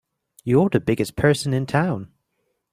You're the biggest person in town!